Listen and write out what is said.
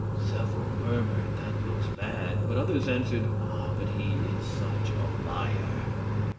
Several murmured, "That looks bad," but others answered, "Ah, but he is such a liar!"